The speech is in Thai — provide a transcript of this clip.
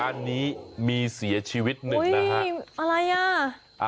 อันนี้มีเสียชีวิตหนึ่งนะฮะมีอะไรอ่ะ